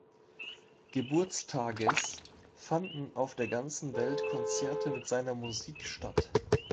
Geburtstages fanden auf der ganzen Welt Konzerte mit seiner Musik statt.